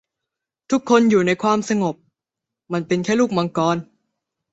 ทุกคนอยู่ในความสงบ มันเป็นแค่ลูกมังกร